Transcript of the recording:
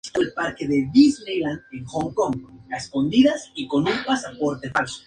Allí atrajo a un pequeño grupo de seguidores.